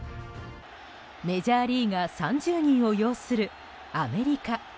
メジャーリーガー３０人を擁するアメリカ。